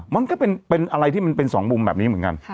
มันก็เป็นอะไรที่มันเป็นสองมุมแบบนี้เหมือนกัน